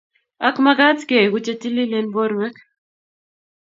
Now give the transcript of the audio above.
ak magat keengu chetilel borwek